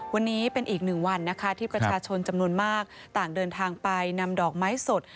วันนี้เป็นอีกหนึ่งวันนะคะที่ประชาชนจำนวนมากต่างเดินทางไปนำดอกไม้สด